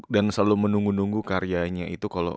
dan selalu menunggu nunggu karyanya itu kalau